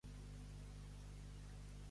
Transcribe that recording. Posar un confortatiu.